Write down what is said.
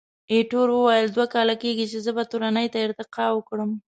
ایټور وویل، دوه کاله کېږي، زه به تورنۍ ته ارتقا وکړم.